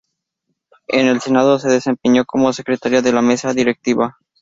En el Senado se desempeñó como secretaria de la mesa directiva.